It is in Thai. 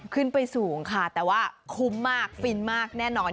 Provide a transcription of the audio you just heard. ขึ้นไปสูงค่ะแต่ว่าคุ้มมากฟินมากแน่นอน